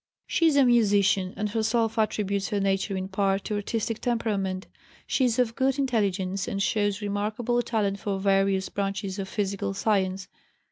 She is a musician, and herself attributes her nature in part to artistic temperament. She is of good intelligence, and shows remarkable talent for various branches of physical science.